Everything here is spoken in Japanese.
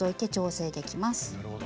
なるほど。